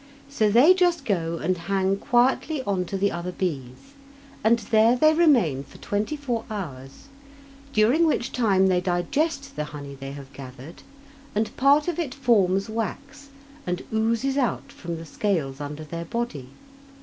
So they just go and hang quietly on to the other bees, and there they remain for twenty four hours, during which time they digest the honey they have gathered, and part of it forms wax and oozes out from the scales under their body.